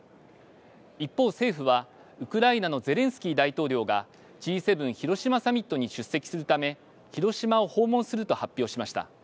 一方、政府はウクライナのゼレンスキー大統領がＧ７広島サミットに出席するため広島を訪問すると発表しました。